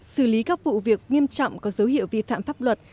xử lý các vụ việc nghiêm trọng có dấu hiệu vi phạm pháp luật